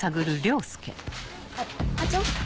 あっ課長？